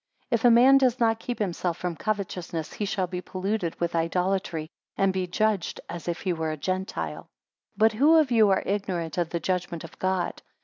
3 If a man does not keep himself from covetousness, he shall be polluted with idolatry, and be judged as if he were a Gentile. 4 But who of you are ignorant of the judgment of God?